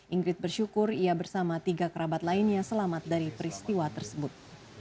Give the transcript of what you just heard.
ingrid bersyukur ia bersama tiga kerabat lainnya selamat dari peristiwa tersebut